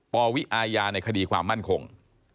ปวิอาญาในคดีความมั่นคง